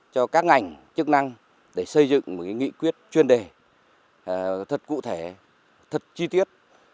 cho các ngành chức năng để xây dựng một nghị quyết chuyên đề thật cụ thể thật chi tiết